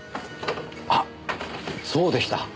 あっそうでした。